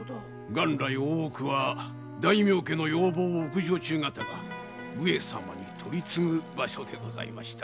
元来大奥は大名家の要望を奥女中がたが上様に取り次ぐ場所でございました。